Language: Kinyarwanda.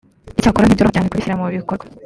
icyakora ntibyoroha cyane kubishyira mu bikorwa